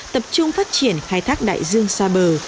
tập trung phát triển khai thác đại dương xa bờ